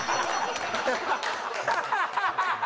ハハハハ！